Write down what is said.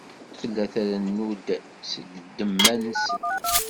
Tella trennu-d seg ddemma-nnes.